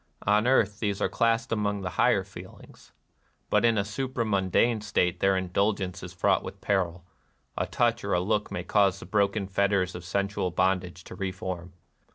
On earth these are classed among the higher feelings. But in a supramundane state their indulgence is fraught with peril : a touch or a look may cause the broken fetters of sensual bondage to reform.